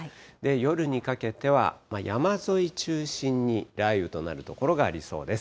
夜にかけては、山沿い中心に雷雨となる所がありそうです。